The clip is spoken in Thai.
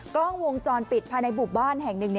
กล้องวงจรปิดภายในหมู่บ้านแห่งหนึ่ง